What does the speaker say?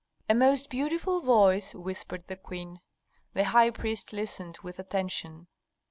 "A most beautiful voice," whispered the queen. The high priest listened with attention.